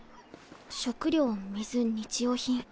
食料水日用品。